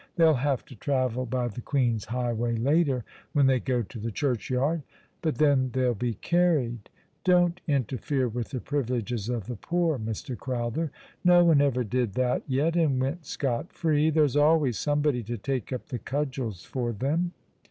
They'll have to travel by the Queen's highway later, when they go to the churchyard — but then they'll be carried. Don't interfere with the privileges of the poor, Mr. Crowther. No one ever did that yet and went scot free. There's always somebody to take up the cudgels for them."